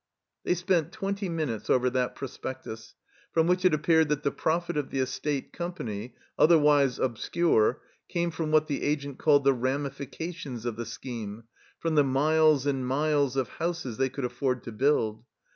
They spent twenty minutes over that Prospectus, from which it appeared that the profit of the Estate Company, otherwise obsctire, came from what the Agent called the "ramifications" of the scheme, from the miles and miles of houses they could afford to build.